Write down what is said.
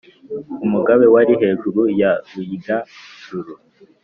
umugabe wari hejuru ya ruyinga-juru.